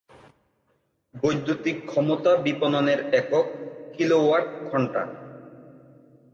বৈদ্যুতিক ক্ষমতা বিপণনের একক কিলো-ওয়াট ঘণ্টা।